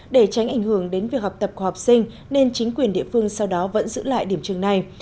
để tránh ảnh hưởng đến việc học tập của học sinh nên chính quyền địa phương sau đó vẫn giữ lại điểm trường này